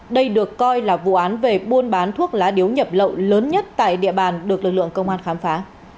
đây được coi là vụ án về buôn bán thuốc lá điếu nhập lậu lớn nhất tại địa bàn được lực lượng công an khám phá